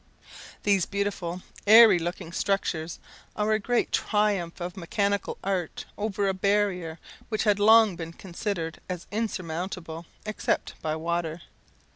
These beautiful, airy looking structures, are a great triumph of mechanical art over a barrier which had long been considered as insurmountable, except by water.